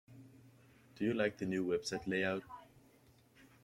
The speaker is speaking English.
Do you like the new website layout?